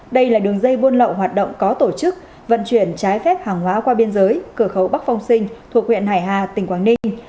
đây là đường dây buôn lậu hoạt động có tổ chức vận chuyển trái phép hàng hóa qua biên giới cửa khẩu bắc phong sinh thuộc huyện hải hà tỉnh quảng ninh